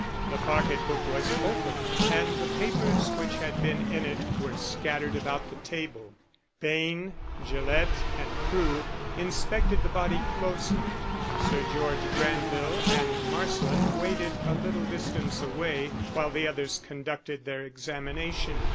The pocket book was open, and the papers which had been in it were scattered about the table. Payne, Gillett and Crewe inspected the body closely. Sir George Granville and Marsland waited a little distance away while the others conducted their examination.